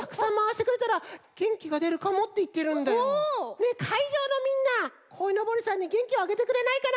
ねえかいじょうのみんなこいのぼりさんにげんきをあげてくれないかな？